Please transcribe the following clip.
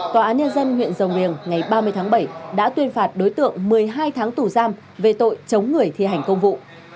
tòa án nhân dân huyện rồng riềng ngày ba mươi tháng bảy đã tuyên phạt đối tượng một mươi hai tháng tù giam về tội chống người thi hành công vụ